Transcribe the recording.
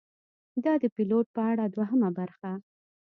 دا ده د پیلوټ په اړه دوهمه برخه: